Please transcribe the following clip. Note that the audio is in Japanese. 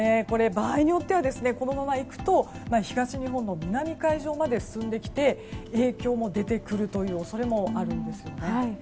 場合によっては、このままいくと東日本の南海上まで進んできて影響も出てくるという恐れもあるんですよね。